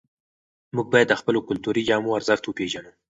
موږ باید د خپلو کلتوري جامو ارزښت وپېژنو.